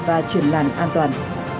và chuyển làn an toàn